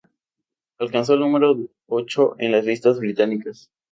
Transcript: Alcanzó el número ocho en las listas británicas.